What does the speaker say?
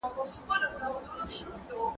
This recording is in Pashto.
ایا د ښځې په پښو کې لړزه د ستړیا له امله وه؟